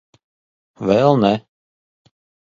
Vēl ne.